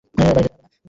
বাড়ি যেতে হবে না।